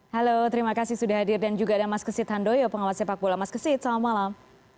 halo terima kasih sudah hadir dan juga ada mas kesit handoyo pengawas sepak bola mas kesit selamat malam